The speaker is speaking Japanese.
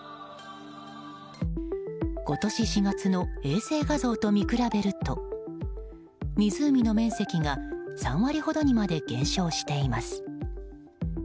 今年４月の衛星画像と見比べると湖の面積が３割ほどにまで減少しています。